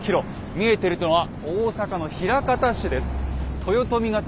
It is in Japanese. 見えてるのは大阪の枚方市です。